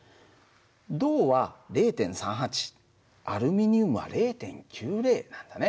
銅は０．３８アルミニウムは０．９０なんだね。